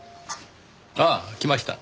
ああ来ました。